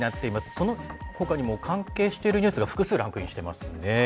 そのほかにも関係しているニュースが複数、ランクインしていますね。